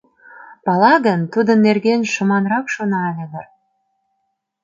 Пала гын, тудын нерген шыманрак шона ыле дыр.